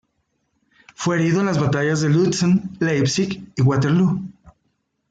Fue herido en las batallas de Lützen, Leipzig y Waterloo.